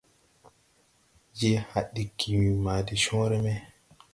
Je haa ɗiggi ma de cõõre me.